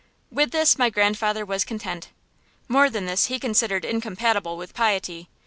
With this my grandfather was content; more than this he considered incompatible with piety.